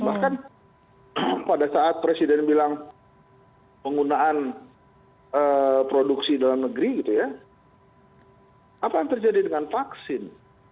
bahkan pada saat presiden bilang penggunaan produksi dalam negeri gitu ya apa yang terjadi dengan vaksin